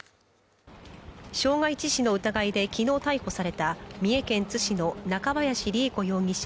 傷害致死の疑いできのう逮捕された三重県津市の中林りゑ子容疑者